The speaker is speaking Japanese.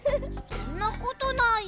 そんなことないよ。